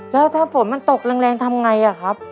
แล้วถ้าฝนมันตกแรงทำไงอะครับ